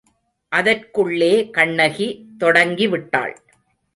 அதற்குள்ளே கண்ணகி தொடங்கிவிட்டாள்.